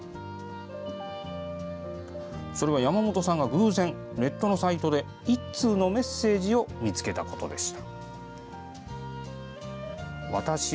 それは山本さんが偶然、ネットのサイトで１通のメッセージを見つけたことでした。